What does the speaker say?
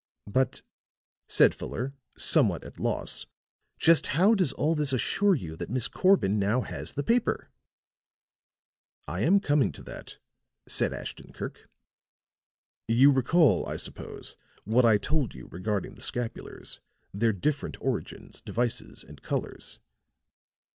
"But," said Fuller, somewhat at loss, "just how does all this assure you that Miss Corbin now has the paper?" "I am coming to that," said Ashton Kirk. "You recall, I suppose, what I told you regarding the scapulars, their different origins, devices and colors."